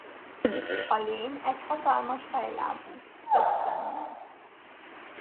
A lény egy hatalmas fejlábú több szemmel.